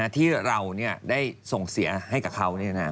ที่เราได้ส่งเสียให้กับเขา